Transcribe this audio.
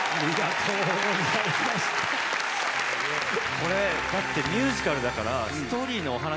これミュージカルだから。